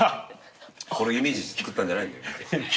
これイメージして作ったんじゃないんだ。